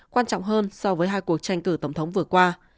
quan trọng hơn so với hai cuộc tranh cử tổng thống vừa qua